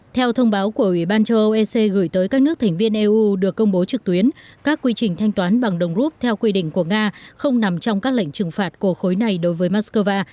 theo thông báo của ủy ban châu âu ec gửi tới các nước thành viên eu được công bố trực tuyến các quy trình thanh toán bằng đồng rút theo quy định của nga không nằm trong các lệnh trừng phạt của khối này đối với moscow